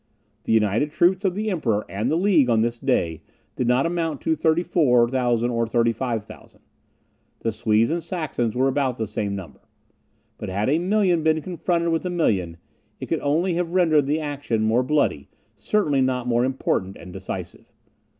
The united troops of the Emperor and the League on this day did not amount to 34,000 or 35,000 men; the Swedes and Saxons were about the same number. But had a million been confronted with a million it could only have rendered the action more bloody, certainly not more important and decisive.